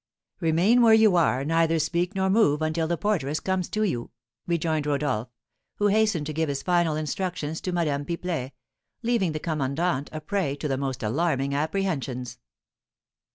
"Remain where you are, neither speak nor move until the porteress comes to you," rejoined Rodolph, who hastened to give his final instructions to Madame Pipelet, leaving the commandant a prey to the most alarming apprehensions.